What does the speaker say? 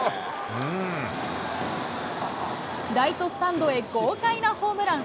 ライトスタンドへ豪快なホームラン。